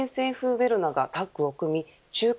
ウェルナがタッグを組み中継